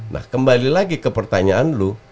nah kembali lagi ke pertanyaan lu